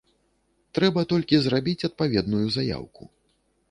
Трэба толькі зрабіць адпаведную заяўку.